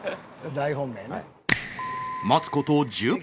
大本命ね。